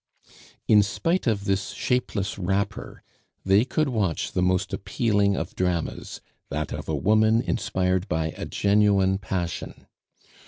In spite of this shapeless wrapper they could watch the most appealing of dramas, that of a woman inspired by a genuine passion.